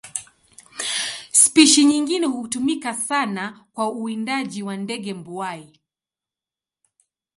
Spishi nyingine hutumika sana kwa uwindaji kwa ndege mbuai.